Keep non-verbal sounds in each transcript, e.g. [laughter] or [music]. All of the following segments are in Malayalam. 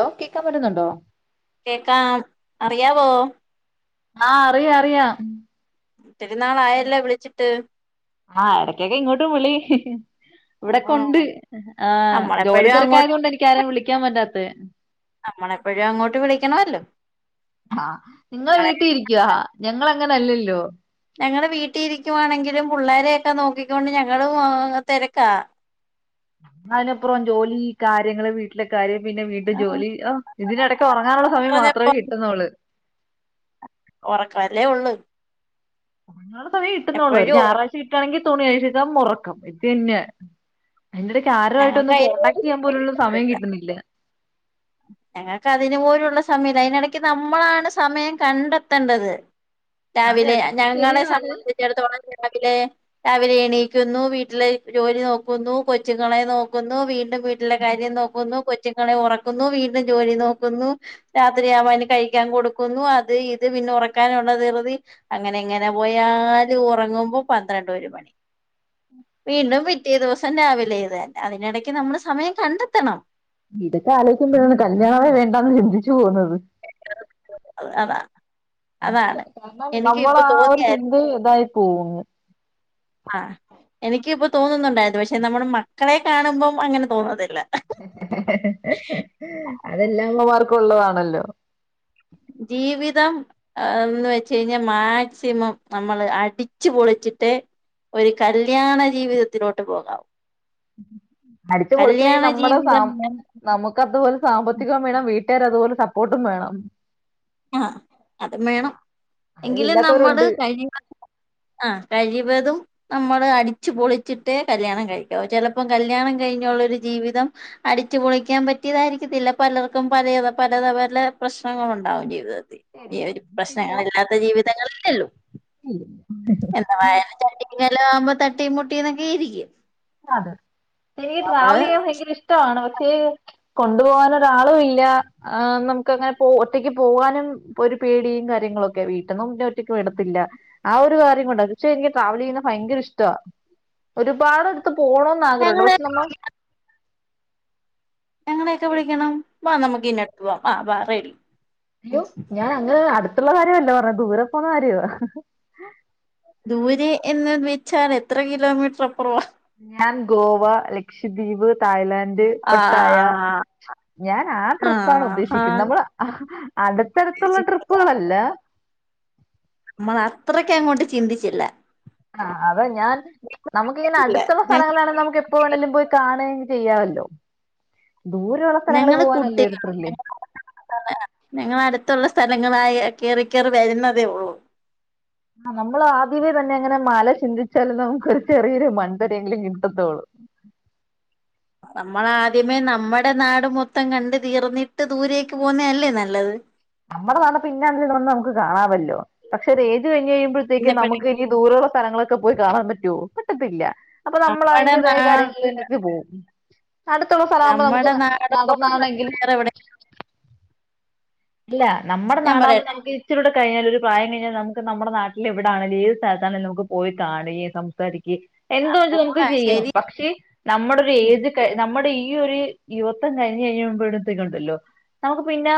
ലൊ കേക്കാം പറ്റുന്നുണ്ടോ? കേക്കാം അറിയാവോ ആഹ് അറിയാ അറിയാ ത്തിരിന്നാളായല്ലോ വിളിച്ചിട്ട് ആഹ് ഇടക്കൊക്കെ ഇങ്ങോട്ടും വിളി ഇവിടെക്കെ ഉണ്ട് ആഹ് ആഹ് നമ്മളെപ്പോഴും ജോലിതിരക്കായതു അങ്ങോട്ട് കൊണ്ടാ എനിക്കാരേയും വിളിക്കാൻ പറ്റാത്തെ നമ്മളെപ്പോഴും അങ്ങോട്ട് വിളിക്കണമല്ലോ ആഹ് നിങ്ങള് നമ്മളെ വീട്ടിരിക്കുവ ഞങ്ങള് അങ്ങനല്ലല്ലോ ഞങ്ങള് വീട്ടീരിക്കുവാണെങ്കിലും പുള്ളോരെക്കെ നോക്കിക്കോണ്ട് ഞങ്ങളും തെരക്കാ ന്നയ്നപ്പുറം ജോലി, കാര്യങ്ങള്, വീട്ടിലെക്കാര്യം പിന്നെ വീണ്ടും ജോലി ആഹ് ഇതിനിടക്ക് ഒറങ്ങാനുള്ള സമയം മാത്രേ പറഞ്ഞപ്പോ കിട്ടുന്നോള്ള് ഒറക്കല്ലേ ഒള്ള് ഒറങ്ങാള്ള സമയെ കിട്ടുന്നുള്ളൂ ഒര് ഉറക്ക ഞാറാഴ്ച കിട്ടാണെങ്കിൽ തുണി കഴിച്ചിട്ടാ മോറക്കം പിന്നെ അയ്ന്റെ ഞങ്ങൾക്ക് ഇടയ്ക്കാരുമായിട്ടൊന്ന് കോൺടാക്ടുചെയ്യാൻ പോലുള്ള സമയം കിട്ടുന്നില്ല. ഞങ്ങൾക്കതിനു പോലുള്ള സമയമില്ല അതിനിടക്ക്‌ നമ്മളാണ് സമയം കണ്ടെത്തണ്ടത്. അതെ രാവിലെ അതെ അത് ഞങ്ങളെ ശരിയാണ് സംബന്ധിച്ചിടത്തോളം രാവിലെ - രാവിലെ എണീക്കുന്നു വീട്ടിലെ ജോലി നോക്കുന്നു കൊച്ചുങ്ങളെ നോക്കുന്നു വീണ്ടും- വീട്ടിലെ കാര്യം നോക്കുന്നു കൊച്ചുങ്ങളെ ഒറക്ക- ന്നു വീടിന് ജോലി നോക്കുന്നു രാവിലെയാകുമ്പോ അതിന് കഴിക്കാൻ കൊടുക്കുന്നു അത് ഇത് പിന്നെ ഒറക്കാൻ- ന്ന ധിരുതി അങ്ങനെ എങ്ങനെ പോയാല് ഉറങ്ങുമ്പോ പന്ത്രണ്ട് ഒരു ഒരു മണി വീണ്ടും പിറ്റേ ദിവസം രാവിലെ തന്നെ അതിനിടയ്ക്ക് നമ്മള് സമയം കണ്ടെത്തണം ഇീടൊക്കെ ആലോചിക്കുമ്പഴാണ് കല്യാണമേ വേണ്ടാന്ന് ചിന്തിച്ചു പോകുന്നത് അത് അതാ അതാണ് [unintelligible] കാരണം എനിക്ക് നമ്മൾ ഇപ്പൊ ആ ഒരു തോന്നിയായിരുന്നു ചിന്ത ഇതായി പോകുന്നു ആ എനിക്കിപ്പോൾ തോന്നുന്നുണ്ടായിരുന്നു പക്ഷെ നമ്മൾ മക്കളെ കാണുമ്പം അങ്ങനെ തോന്നുന്നുന്നല്ല [unintelligible] അതെല്ലാ ഉമാർക്കും ഉള്ളതാണല്ലോ ജീവിതംന്ന് വെച്ച് കഴിഞ്ഞാൽ മാക്സിമം നമ്മള് അടിച്ചു പൊളിച്ചിട്ട ട്ട് ഒരു കല്യാണ ജീവിതത്തിലോട്ട് പോക്കാം അടിച്ചു പൊളിക്കണെങ്കിൽ നമ്മുടെ സ ജീവിതം നമുക്ക് അതുപോലെ സാമ്പത്തികം വേണം വീട്ടിൽ കുട്ടർ അതുപോലെ സപ്പോർട്ടും വേണം അ അതും വേണം അത് എങ്കിലും നമ്മള് ഇല്ലാത്തവരുണ്ട് കഴ ആ കഴിവതും നമ്മള് അടിച്ചു പൊളിച്ചിട്ട് കല്യാണം കഴിക്കാവ ചിലപ്പോം കല്യാണം കഴിഞ്ഞ ള്ള ഒരു ജീവിതം അടിച്ചുപൊളിക്കാൻ പറ്റിയതായിരിക്കത്തില്ല പലർക്കും പല പലത പല പ്രശ്ന പ്രശ്നങ്ങൾ ഉണ്ടാവും ജീവിതത്തിൽഈ ശരിയാ ഒരു പ്രശ്നങ്ങള ഇില്ലാത്ത ജീവിതങ്ങളല്ലല്ലോ ഒള്ളു ഉ യെങ്ങനെയാലും ചട്ടിക്ക് വേലവുമ്പോ തട്ടി മുട്ടിക്കെ ഇരിക്കും അതെ ഇ നമ്മള് ട്രാവൽ ചെയ്യാൻ ഭയങ്കര ഇഷ്ടമാണ് പക്ഷേ കൊണ്ടു പോകാനരു ഒരാളും ഇല്ല അ നമുക്ക്ങ്ങനെ പോ ഒറ്റക്ക് പോവാനും ഒരു പേടിയും കാര്യ കാര്യങ്ങളൊക്കെ വീട്ടന്നുംപിന്നെ ഒറ്റക് വിടത്തില്ല ആ ഒരു കാര്യം കൊണ്ട പക്ഷെ എനിക്ക് ട്രാവൽ ചെയ്യുന്നത് ഭയങ്കര ഇഷ്ട ഒരുപാട് അടുത്ത് പോണന്ന് ആഗ്രഹമുണ്ട് ഞങ്ങളെ പക്ഷെ നമ്മ നങ്ങളെയൊക്കെ വിളിക്കണം വ നമ്മുക്ക് ഇന്നോട്ട് വാ അ ബാ റെഡി യോ ഞാൻ അങ്ങനെ അടുത്തുള്ള കാര്യല്ലോ പറഞ്ഞ ദൂരെ പോന്ന കാര്യോ ദൂരെ എന്നന്ന് വച്ചാൽ എത്ര കിലോമീറ്റർ അപ്പുറവാ ഞാൻ ഗോവ ലക്ഷദ്വീപ് തായ്ലാൻഡ് പട്ടായ ആഹ് ഞാൻ ആ ട്രിപ്പാണ് ആഹാ ഉദ്ദേശിക്കുന്നത് നമ്മൾ അടുത്തടുത്തുള്ള ട്രിപ്പുകളല്ല നമ്മൾ അത്രക്കെ അങ്ങോട്ട് ചിന്തിച്ചില്ല അ അത ഞാൻ നമുക്ക ഇങ്ങനെ ഇല്ല അടുത്തുള്ള സ്ഥലങ്ങളാണെങ്ക നമുക്ക് എപ്പോ വേണമെങ്കിലും പോയി കാണ ചെയ്യമല്ലോ ഞങ്ങള് കുട്ടിൾ [unintelligible] ഞങ്ങളടുത്തുള്ള സ്ഥല ങ്ങള കെയറി കെ യറി വരുന്നതേ ഉള്ളൂ നമ്മൾ ആദ്യമേ തന്നെ അങ്ങനെ മാല ചിന്തിച്ചാലും നമുക്ക്രു ചെറിയൊരു മൺണ്ടൊരെങ്കിലും കിട്ടത്തുള്ളൂ [inaudible] നമ്മളാദ്യമേ നമ്മുടെ നാട് മൊത്തം കണ്ട് തീർന്നിട്ട് ദൂരേക്ക് പോന്നേ അല്ലേ നല്ലത് നമ്മുടെ നാ പിന്നാണ്ടന്നന്ന് നമുക്ക് കാണാമല്ലോ പക്ഷെ ഒരുഏ ഇത് കഴിഞ് കഴിയുമ്പഴേക്കും നമുക്ക് പിന്നെപ്പഴേക്ക് ഇനി ദൂരമുള്ള സ്ഥലങ്ങളൊക്കെ പോയി കാണാൻ പറ്റുവോ പറ്റത്തില്ല അപ്പൊ നമ്മൾ നമ്മടെ അതിന്റേതായ നാട് കാര്യങ്ങളന്നക്ക് പോകവും അടുത്തുള്ള സ്ഥലമാകുമ്പോ നമുക്ക് നമ്മടെ നാടോട് നടന്നാണെങ്കിൽ വേറെ എവിടെ ഇല്ല നമ്മുടെ ഞാൻ നാടാകുമ്പോൾ പറയട്ടെ നമുക്ക് ഇച്ചരിടെ കഴിഞ്ഞാല ഒരു പ്രായം കഴിഞ്ഞാൽ നമുക്ക് നമ്മുടെ നാട്ടിൽ എവിടണങ്കില ത് സ്ഥലത്തണ നമു പോയി കാന്നെ സംസാരിക്ക എന്തെച്ചാൽ പോണ നമുക്ക് ചെയ്യാം ശരി പക്ഷെ നമ്മുടെ ഒരു ഏജ് ക നമ്മുടെ ഏ ഈ ഒരു യുവത്വം കഴിഞ്ഞ് കഴിഞ്ഞുമ്പത്തേക്ക ഉണ്ടല്ലോ നമുക്ക് പിന്നെ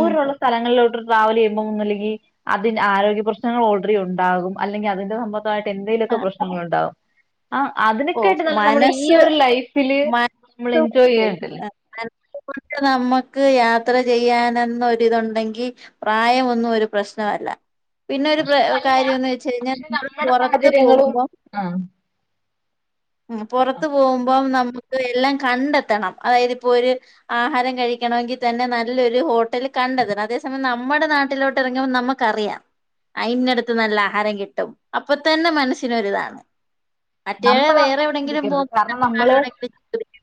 ഉം സ്ഥലങ്ങളിലോട്ട് ട്രാവൽ ചെയ്യുമ്പോൾഒന്നുല്ലങ്കിൽ അതിന് ആരോഗ്യ പ്രശ്നങ്ങൾ ഓൾറെഡി ഉണ്ടാകും അല്ലെങ്കിൽ അതിന്റെ തട്ട് ആ എന്തങ്കലൊക്കെ പ്രശ്നൾ ഉണ്ടാവും ഓ ഈ മനസ് ഒരു ലൈഫില് മന നമ്മൾ എൻജോയ് ചെയ്യണ്ടല്ലേ [unintelligible] നമ്മക്ക് യാത്ര ചെയ്യാനെന്നൊരിതൊണ്ടെങ്കി പ്രായമൊന്നും ഒരു പ്രശ്നമല്ല പിന്നെ ഒരു പ്ര പ്രശ്നമല്ല കാര്യന്ന് വെച്ച് കഴിഞ്ഞാൽ പക്ഷെ നമ്മൾ നമ്മുടെ പുറത്ത് സാഹചര്യങ്ങളും പോകുബം ആ മ് പറഞ്ഞോ പൊറത്ത് പോകുബം ന ക്ക് എല്ലാം കണ്ടെത്തണം അതായത് ഇപ്പോര് ആഹാരം കഴിക്കണമെങ്കിതന്നെ നല്ലൊര് ഹോട്ടല് കണ്ടെത്തണം അതേസമയം നമ്മടെ നാട്ടിലോട്ട് എറങ്ങുമ്പോ നമ്മക്കറിയാം അയിന്റെട്ത്ത് നല്ല ആഹാരം കിട്ടും അപ്പതന്നെ മനസ്സിനൊരിതാണ് മറ്റേത് നമ്മൾ വേറെ അങ്ങനെ എവിടെങ്കിലും ചിന്തിക്കരുത് പോകുമ്പോ കാരണം നമ്മള് [unintelligible]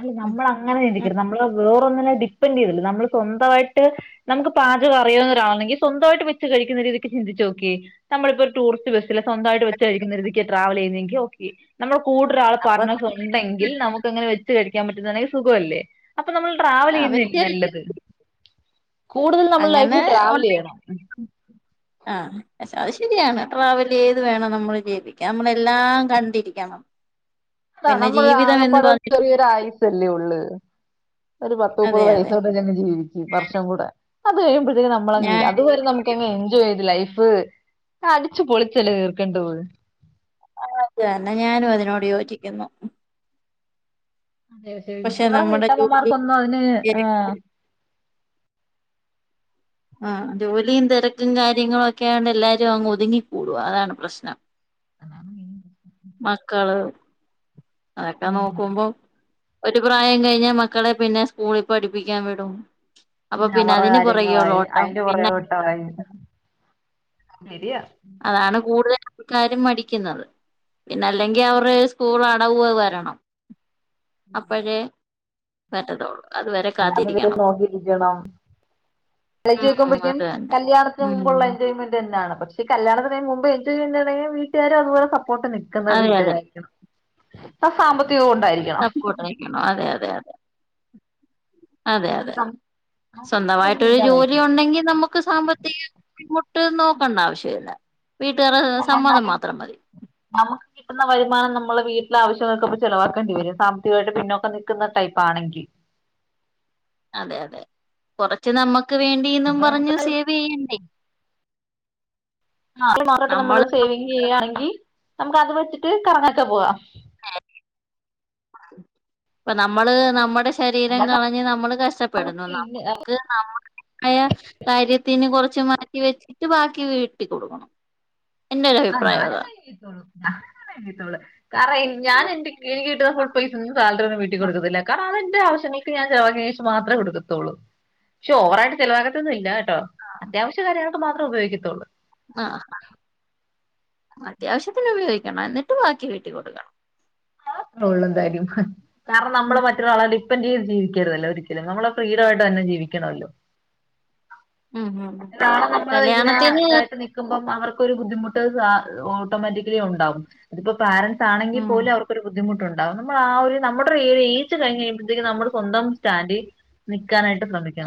അല്ല ഉം നമ്മള അങ്ങനെ ഉം ചിന്തിക്കര്ത് നമ്മളെ വേ പ്പോ ന്നെലെ ഡിപ്പൻഡ് യ്തില് നമ്മൾ സ്വന്തമായിട്ട് നമുക്ക് പാചക അറിയാവുന്ന ഒരാളെങ്കിൽ സ്വന്തമായിട്ട് വെച്ച് കഴിക്കുന്ന ക്ക് ചിന്തിച്ച നോക്കീം നമ്മളിപ്പ ഒര് ടൂറിസ്റ്റ് ബസ്സില് സ്വന്തമായിട്ട് വെച്ച് കഴിക്കുന്ന രീതിക്ക് ട്രാവൽ ചെയ്യുന്നെങ്കിൽ ഓക്കെ നമ്മള് കൂടുതൽ ആൾ അപ്പൊ പാർട്ണേഴസ് ഉണ്ടെങ്കിൽ നമുക്ക്ങ്ങനെ വെച്ച് കഴിക്കാൻ പറ്റുന്നതാണെങ്കി സുഖല്ലേ അപ്പൊ നമ്മൾ ട്രാവൽ ചെയ്യുന്നല്ലേ അവര് നല്ലത് കൂടുതൽ നമ്മൾ അങ്ങനെ ലൈഫിൽ ട്രാവലീയ്യണം ആഹ് അത് ശെരിയാണ് ട്രാവലേത് വേണം നമ്മള് ജീവിക്കാം നമ്മളെല്ലാം കണ്ടിരിക്കണം ആഹ് പിന്നെ നമ്മള് ജീവിതം എന്ന് ആകപ്പാടെ പറഞ്ഞിട്ട് ചെറിയെര് ആയുസല്ലേ ഉള്ള് ഒര് പത്ത് മുപ്പത് അതെ അതെ വയസ്സോടെ ഞ ജീവിക്കും വർഷം കൂടെ അത് കഴിയ്മ്പത്തേനും ഞമ്മളങ് ഞാനും അത്വരെ ഞമ്മക്കാങ് എൻജോ ചെയ്ത് ലൈ ഫ് അടിച്ചു പൊളിച്ചല്ലേ തീർക്കണ്ടതൊള്ളൂ ആഹ് അത് ത്തന്നെ ഞാനും അതിനോട് യോജിക്കുന്നു അതെ പക്ഷെ ശെമിക്കവാറും നമ്മുടെ ജോലി വീട്ടമ്മമാർക്കൊന്നും അതിന് തിര- ആഹ് ആഹ് ജോലിയും തിരക്കും കാര്യങ്ങളും ഒക്കെണ്ട് എല്ലാരും അങ്ങ് ഒതുങ്ങിക്കൂടുആ അതാണ് പ്രശ്നം [unintelligible] മക്കള് അതൊക്കെ ഉം നോക്കുമ്പോ ഒര് പ്രായം കഴിഞ്ഞാ മക്കളെ പിന്നെ സ്കൂളിൽ പഠിപ്പിക്കാൻ വിടും അപ്പ പിന്നെ അവരുടെ അതിന് പുറകേയുള്ള കാര്യങ്ങളായി ഓട്ടം അതിന്റെ പിന്നെ പുറകെ ഓട്ടമായി ശരിയാ അതാണ് കൂടുതൽ ആക്കാരും മടിക്ക്ന്നത് പിന്നെ അല്ലെങ്കി അവര്ടെ സ്കൂൾ അടവ് വരണം. അപ്പഴേ പറ്റത്തൊള്ള് അല്ലത്തവരെ നോക്കിരിക്കണം ഉം ആലോയ്ക്കുമ്പഴേക്കും അത് തന്നെ കല്യാണത്തിന് ഉം മുമ്പ്ള്ള എൻജോയ്മെന്റ് തന്നെയാണ് പക്ഷേ ചെ കല്യാത്തിന് മുമ്പ് എൻജോയ് ചെയ്യണ്ടങ്കി വീട്ട്കാരും അതുപോലെ സപ്പോർട്ട് നിക്ക്ന്ന അതെ അതെ വീട്ടുകാരായ് രിക്കണം പ്പ സാമ്പ സപ്പോർട്ടായിരിക്കണം അതെ അതെ അതെ അതെ അതെ നമുക്കൊന്നും സ്വന്തമായിട്ടൊരു ജോലി ഇല്ലാതായിരിക്കും ഉണ്ടെങ്കിൽ നമ്മക്ക് സാമ്പ പ്രത്യേക ബുദ്ധിമുട്ട് നോക്കണ്ട ആവശ്യല്ല അല്ലന്നാലും നമ്മക്ക് കിട്ടുന്ന വരുമാനം നമ്മളെ വീ ട്ടിലെ ആവശ്യങ്ങൾ ക്കൊക്കെ ചെലവാക്കേണ്ടി വരും സാമ്പത്തികമായിട്ട് പിന്നോക്കം നക്ക്ന്ന ടൈപ്പ് ആണെങ്കി അതെ അതെ കൊറച്ച് നമ്മ ക്ക് വേണ്ടിന്നും അപ്പൊ നമുക്ക് പറഞ്ഞ് സേവീയ്യണ്ടേ ആ മാട്ട് നമ്മള് സേവിങ് ചെയ്യയാണെങ്കിനമ്മക്കത് വെച്ച്ട്ട് കറങ്ങാക്കെ പോവാം. ഇപ്പ നമ്മള് നമ്മടെ ശ് ശരീരം അല്ലാതെ കളഞ്ഞ് നമ്മള് കഷ്ടപ്പെടുന്നു പിന്നെ നമുക്ക് നമ്മടേതായകാര്യത്തിന് കൊർ ച്ച് മാറ്റി വെച്ചിട്ട് ബാക്കി വീട്ടീകൊട്ക്കണം എന്റെ ഒരു ആ അഭിപ്രായം അതാണ് ഞാനങ്ങനെ [unintelligible] കാരണം എ എൻ ഞാൻ എന്റെ എനിക്ക് കിട്ടുന്ന ഫുൾ പൈസ ഒന്നും സാലറി ഒന്നും വീട്ടീ കൊടുക്കത്തില്ല കാരണം അതെൻ ന്റെ ആവശ്യങ്ങക്ക് ഞാൻ ചെലവാക്ക്യേന് ശേഷം മാത്രേ കൊടുക്കത്തുള്ളൂ പക്ഷെ ഓവറായിട്ട് ചെലവാകത്തൊന്നുംഇല്ല ട്ടോ അത്യാവശ്യ കാര്യങ്ങൾക്ക് മാത്രേ ഉപയോഗിക്കത്തുള്ളൂ അ ആഹ് അത്യാവശ്യത്തിന് ഉപയോഗിക്കണം എന്നിട്ട് ബാക്കി വീട്ടീകൊട്ക്കണം. അതാത്രോള്ളു എന്തായാലും കാരണം നമ്മള് മറ്റൊരാളാാര് ഡിപ്പ് പ്പന്റെയ്ത് ജീവിക്കരുതല്ലോ ഒരിക്കലും നമ്മളെ ഫീഡമായിട്ട് തന്നെ ജീവിക്കണല്ലോ ഉം ഉം ഉം. ളെ നമ്മള് ഇങ്ങനെ കല്യാണത്തിന് ഇതായിട്ട് നക്കുമ്പ പം അവർക്കൊരു ബുദ്ധിമുട്ട്ആ ഓട്ടോമാറ്റിക്കലി ഉണ്ടാകും ഇതിപ്പോ പാരന്റ്സ് ആണെങ്കിൽ ഉം പോലും അവർക്ക് ബുദ്ധിമുട്ടുണ്ടാവും നമ്മൾ ആ ഒരു നമ്മുടെ ഏജ കഴഞ്ഞ്ഴുമ്പഴത്തേും നമ്മ സ്വന്തം സ്റ്റാൻഡ് നി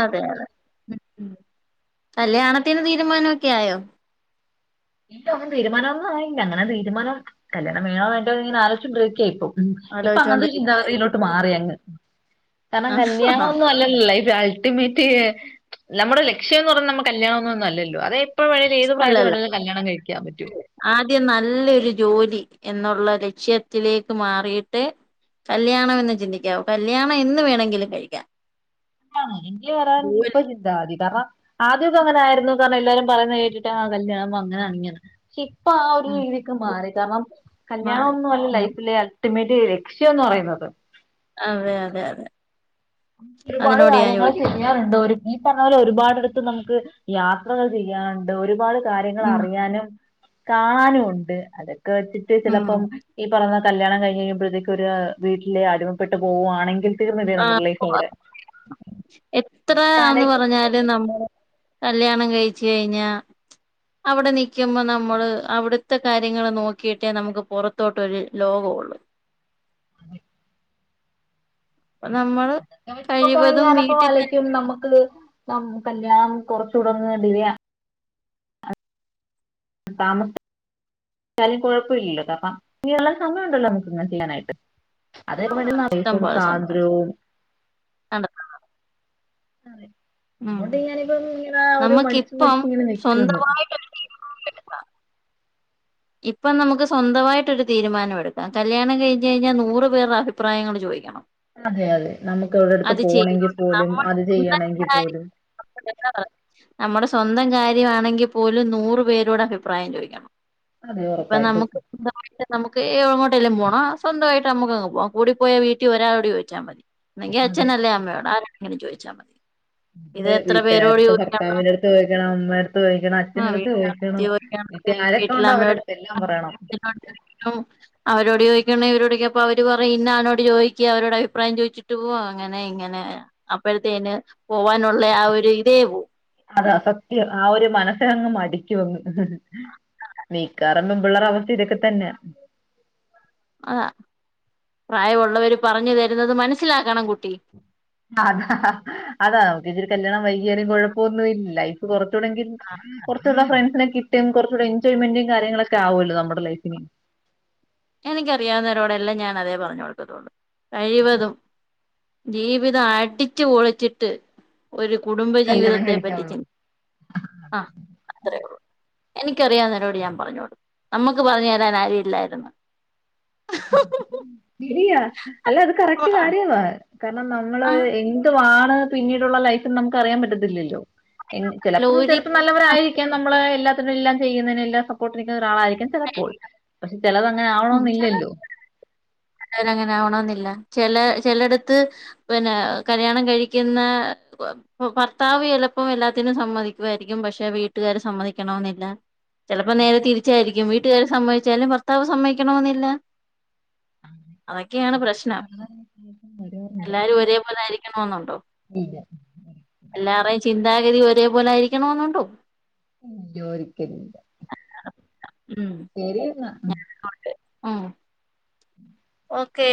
അതെ അതെ കല്യാണത്തിന് തീരുമാനമൊക്കെ ആയോ ഇല്ല അങ്ങനെ തീരുമാനം ഒന്നും ആയി അങ്ങനെ തീരുമാനം കല്യാണം വേണോ വേണ്ടയോന്ന് ഇങ്ങനെ ആലോചിച്ചോണ്ടിരിക്കുവാ ഇപ്പൊ ഉം ഇപ്പൊ അഅങ്ങനത്തെ ആലോചിച്ചോണ്ടിരിക്കുവായിരുന്നു ചിന്താഗതിയിലോട്ട് മാറിയങ് കാരണം കല്യാണമ ആഹ് ഒന്നും അല്ലല്ലോ ലൈഫിയിൽ ആ - മറ്റേ നമ്മുടെ ലക്ഷ്യംന്ന് പറഞ്ഞാൽ നമ്മ കല്യാണൊന്നുംല്ലോ അത് എപ്പ വേണോങ്കിലും ഏത് പ്രായത്തിൽ അല്ലല്ല വെണോങ്കിലും അത് - ആദ്യം നല്ലയൊരു - ജോലി എന്നുള്ള ലക്ഷ്യത്തിലേക്ക് മാറിയിട്ട്- കല്യാണം എന്ന് ചിന്തിക്കാവൂ കല്ല്യാണം എന്ന് വേണമെങ്കിലും കഴിക്കാം ആ എങ്ക വ [unintelligible] രാൻ ഇപ്പൊ ചിന്താ മതി കാരണം ആദ്യംയൊക്കെ അങ്ങനെയായിരുന്നു കാരണം എല്ലാരും പറയുന്നത് കേട്ടിട്ട് ആ കല്യാണം അങ്ങനാണ് ഇങ്ങനെയാണ് ഇപ്പ ആ ഒരു ഉം രീതിയൊക്കെ മാറി കാരണം കല്യാണമ മാറി ഒന്നും അല്ല ഉം ലൈഫിലെ- അൾട്ടിമേറ്റ് ലക്ഷ്യംന്ന് പറയുന്നത് അതെ അതെ അതെ ഒരുപാട് അതിനോട് ഞാൻ കാര്യങ്ങൾ യോജിക്കുന്നു ചെയ്യാറുണ്ട് ഒരു- ഈ പറഞ്ഞ പോലെ ഒരു പടെടുത്ത് നമുക്ക് യാത്രകൾ ചെയ്യാനുണ്ട് ഒരുപാട് കാര്യങ്ങൾ ഉം അറിയാനും- കാണാനുണ്ട് അതൊക്കെ വെച്ചിട്ട് ഉം ചെലപ്പം ഈ പറഞ്ഞ- കല്യാണം കഴിഞ് കഴിയുമ്പഴത്തേക്കക്ക് ഒരു വീട്ടിലെ അടിമപ്പെട്ട് പോവുകവാണെങ്കിൽ തീർന്നില്ലേ നമ്മുടെ- അവിടെ എത്ര അതൊക്കെ ആന്ന് ആലോചിക്കുമ്പോഴത്തേക്ക് പറഞ്ഞാലും നമ്മള്- കല്യാണം കഴിച്ച് കഴിഞ്ഞ- അവിടെ നിക്കുമ്പോ നമ്മള് അവിടുത്തെ കാര്യങ്ങള് നോക്കിയിട്ടേ നമുക്ക് പുറത്തോട്ട് ഒരു ലോക- ഓള് അതെ അപ്പൊ നമ്മള് അതൊക്കെ വെച്ച് നോക്കുവാണെങ്കിൽ കഴിവതും ഞാനപ്പോ വീട്ടിൽ തന്നെ വലയ്ക്കും നമുക്ക് നമുക്ക് കല്യാണം കൊറച്ചൂടെ ഒന്ന് ഡിലേ ആ താമസം ക്കിയാലും കുഴപ്പമില്ലല്ലോ അപ്പോ എല്ലാം സമയം ഉണ്ടല്ലോ നമുക്ക് ഇങ്ങനെ ചെയ്യാനായിട്ട് വേണം. ഇഷ്ടം [unintelligible] പോലെ സമയം സ്വാതന്ത്ര്യവും കണ്ടെത്താം അതേ ഉം അതുകൊണ്ട് ഞാനിപ്പം ഇങ്ങനെ ഒരു മടിച്ച് നമുക്കിപ്പം മടിച്ച് ഇങ്ങനെ നിക്കാണ് സ്വന്തമായിട്ടൊരു [unintelligible] ഇപ്പം നമുക്ക് സ്വന്തമായിട്ടൊരു തീരുമാനം എടുക്കാം കല്യാണം കഴിഞ്ഞ് കഴിഞ്ഞാൽ നൂറ് പേരുടെ അഭിപ്രായങ്ങള് ചോദിക്കണം അതെ അതെ നമുക്ക് എവിടെ അടുത്ത് അത് പോണമെങ്കിൽ ചെയ്തോണ്ട് പോലും നമ്മുടെ അത് സ്വന്തം ചെയ്യണമെങ്കിൽ കാര്യം പോലും നമ്മുടെ സ്വന്തം കാര്യമാണെങ്കിൽ പോലും നൂറ് പേരോട് അഭിപ്രായം ചോദിക്കണം അതെ ഇപ്പൊ ഉറപ്പായിട്ടും നമുക്ക് [unintelligible] എങ്ങോട്ടേലും പോണം സ്വന്തമായിട്ട് നമ്മുക്കങ്ങ് പോകാം കൂടി പോയാ വീട്ടിൽ ഒരാളോട് ചോദിച്ചാൽ മതി ഒന്നെങ്കിൽ അതെ അച്ഛനല്ലേ അമ്മയോട് ആരോടെങ്കിലും എങ്ങനെ ചോദിച്ചാൽ മതി ഇത് ഇവിടെ എത്ര വീട്ടുകാരുടെ പേരോട് അടുത്ത് ചോദിക്കണം ഭർത്താവിന്റെ അടുത്ത് ചോദിക്കണം അമ്മയുടെ അടുത്ത് ചോദിക്കണം ആ അച്ഛന്റെ അടുത്ത് വീട്ടിൽ ചോദിക്കണം വീട്ടിൽ ആരെക്കെയുണ്ടോ അവരുടെ അടു [unintelligible] അവരോട് ചോദിക്കണം ഇവരോട് ചോദിക്കണം അപ്പോ അവര് പറയും ഇന്ന ആളിനോട് ചോദിക്ക് അവരോട് അഭിപ്രായം ചോദിച്ചിട്ട് പോകും അങ്ങനെ ഇങ്ങനെ അപ്പോഴത്തേന് പോവാനുള്ള ആ ഒരു ഇതേ പോവും അതാ സത്യം ആ ഒരു മനസ്സിനങ്ങ് മടിക്കും അങ്ങ് മിക്കവാറും പെൺപിള്ളേരുടെ അവസ്ഥ ഇതൊക്കെ തന്നെയാ ആഹ് പ്രായമുള്ളവര് പറഞ്ഞ് തരുന്നത് മനസ്സിലാക്കണം കുട്ടി അതാ അതാ നമുക്ക് ഇച്ചരി കല്യാണം വൈകിയാലും കൊഴപ്പവൊന്നും ഇല്ല ലൈഫ് കൊറ ച്ചൂടെങ്കിലും കുറച്ചൂടെ ഫ്രണ്ട്സിനെ കിട്ടും കുറച്ചൂടെ എൻജോയ്മെന്റും കാര്യങ്ങളക്കെ ആവുവല്ലോ നമ്മുടെ ലൈഫിന് എനിക്കറിയാവുന്നവരോടെല്ലാം ഞാൻ അതേ പറഞ്ഞു കൊടുക്കത്തൊള്ളൂ കഴിവതും ജീവിതം അടിച്ച്പൊളിച്ചിട്ട് ഒരു കല്യാണം കുടുംബജീവിതത്തെ പറ്റി കഴിക്കാവുള്ളൂ ചിൻ ആഹ് അത്രേയൊള്ളു എനിക്കറിയാവുന്നവരോട് ഞാൻ പറഞ്ഞു കൊടുക്കും നമ്മുക്ക് പറഞ്ഞു തരാൻ ആരുമില്ലായിരുന്നു. ശരിയാ അല്ല അത് കറക്റ്റ് കാര്യവാ കാരണം നമ്മള് ആ എന്തുവാണ് പിന്നീടുള്ള ലൈഫെന്ന് നമുക്ക് അറിയാൻ പറ്റത്തില്ലല്ലോ എനി അല്ല ചിലപ്പം ചിലപ്പം ഒരിക്കലും നല്ലവരായിരിക്കാം നമ്മള് എല്ലാത്തിനും എല്ലാം ചെയ്യുന്നേനെല്ലാം സപ്പോർട്ട് നിക്കുന്നൊരാളായി രിക്കാം നമ്മളെ ചെലപ്പോൾ പക്ഷെ ചെലതങ്ങനെ ആവണോന്നില്ലല്ലോ [unintelligible] അങ്ങനവര് ആവണോന്നില്ല ചെല ചെലടുത്ത് പിന്നാ കല്യാണം കഴിക്കുന്നാ ഭർത്താവ് ചെലപ്പം എല്ലാത്തിനും സമ്മതിക്കുവായിരിക്കും പക്ഷെ വീട്ടുകാര് സമ്മതിക്കണോന്നില്ല ചെലപ്പൊ നേരെ ഇല്ല തിരിച്ചായിരിക്കും വീട്ടുകാര് സമ്മതിച്ചാലും ഭർത്താവ് സമ്മതിക്കണോന്നില്ല. അങ്ങനെ അതൊക്കെയാണ് ഇപ്പം പ്രശ്നം. വളരെ വ്യത്യാസം വരുവായിരുന്നു എല്ലാരും ഒരേപോലെ ആയിരിക്കണോന്നുണ്ടോ ഇല്ല. എല്ലാർടെയും ചിന്താഗതി ഒരേപോലെ ആയിരിക്കണോന്നുണ്ടോ ഉം ജോലിക്കലില്ല ശരിയെന്നാ ആഹ് ഓക്കേ